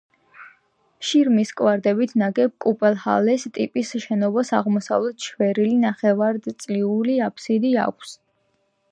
შირიმის კვადრებით ნაგებ კუპელჰალეს ტიპის შენობას აღმოსავლეთით შვერილი ნახევრადწრიული აფსიდი აქვს.